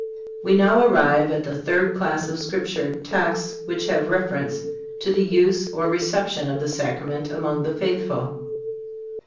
We now arrive at the third class of Scripture texts which have reference to the use or reception of the Sacrament among the faithful.